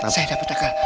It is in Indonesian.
saya dapet akal